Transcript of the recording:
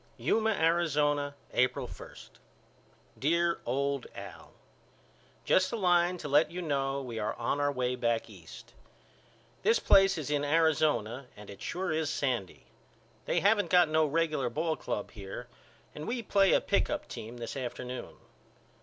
Yuma, Arizona, April 1. DEAR OLD AL: Just a line to let you know we are on our way back East. This place is in Arizona and it sure is sandy. They haven't got no regular ball club here and we play a pick up team this afternoon.